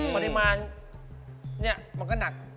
ปริมาณนี่มันก็หนัก